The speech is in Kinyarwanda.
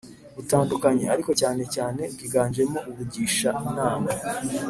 butandukanye, ariko cyane cyane bwiganjemo ubugisha inama